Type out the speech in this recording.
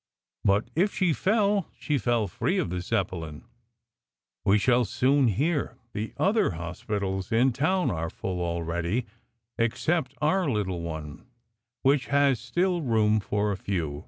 But if she fell, she fell free of the Zeppelin. We shall soon hear. The other hospitals in town are full already, except our little one, which has still room for a few.